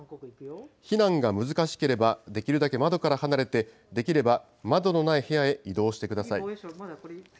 避難が難しければ、できるだけ窓から離れて、できれば窓のない部屋へ移動してください。